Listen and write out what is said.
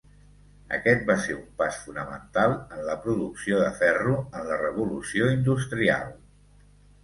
Aquest va ser un pas fonamental en la producció de ferro en la Revolució Industrial.